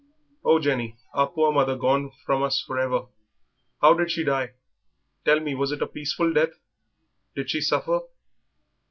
"Oh, Jenny, our poor mother gone from us for ever! How did she die? Tell me, was it a peaceful death? Did she suffer?"